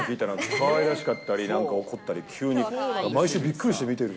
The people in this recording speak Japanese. かわいらしかったり、なんか怒ったり、急に、毎週びっくりして見てる。